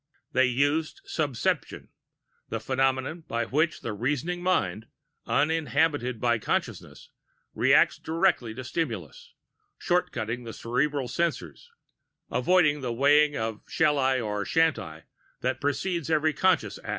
They used "subception," the phenomenon by which the reasoning mind, uninhibited by consciousness, reacts directly to stimuli shortcutting the cerebral censor, avoiding the weighing of shall I or shan't I that precedes every conscious act.